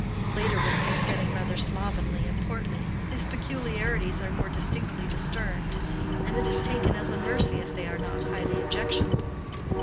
Later, when he is getting rather slovenly and portly, his peculiarities are more distinctly discerned, and it is taken as a mercy if they are not highly objectionable.